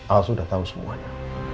al sudah tau semuanya